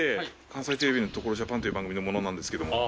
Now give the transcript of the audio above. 関西テレビの「所ＪＡＰＡＮ」という番組の者なんですけども。